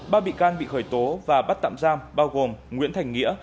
ba bị can bị khởi tố và bắt tạm giam bao gồm nguyễn thành nghĩa